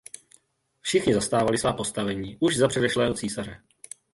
Všichni zastávali svá postavení už za předešlého císaře.